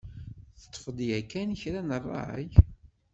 Teṭṭfeḍ yakan kra n rray?